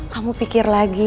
kamu pikir lagi